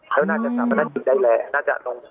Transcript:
แสดงพยพาระแจก็ได้แหละ